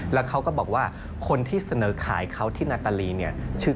แล้วเขาก็บอกว่าคนที่เสนอขายเขาที่นาตาลีเนี่ย